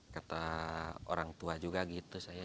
kata orang tua juga gitu saya